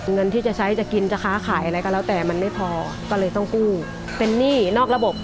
เงินที่จะใช้จะกินจะค้าขายอะไรก็แล้วแต่มันไม่พอก็เลยต้องกู้เป็นหนี้นอกระบบ